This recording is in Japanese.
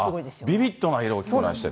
ビビッドな色を着てらっしゃる。